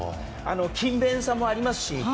勤勉さもありますし。